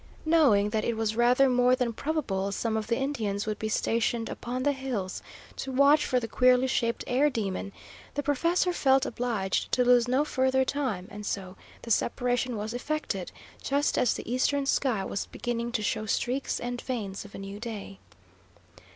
Knowing that it was rather more than probable some of the Indians would be stationed upon the hills to watch for the queerly shaped air demon, the professor felt obliged to lose no further time, and so the separation was effected, just as the eastern sky was beginning to show streaks and veins of a new day.